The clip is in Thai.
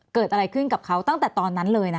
เกิดอะไรขึ้นกับเขาตั้งแต่ตอนนั้นเลยนะ